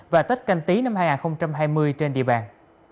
và tết canh tí năm hai nghìn hai mươi trên địa bàn